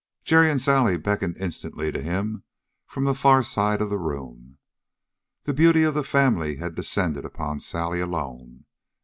Jerry and Sally beckoned instantly to him from the far side of the room. The beauty of the family had descended upon Sally alone.